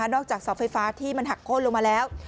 อกจากเสาไฟฟ้าที่มันหักโค้นลงมาแล้ว